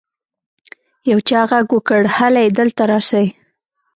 يو چا ږغ وکړ هلئ دلته راسئ.